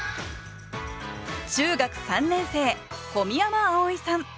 中学３年生小宮山碧生さん。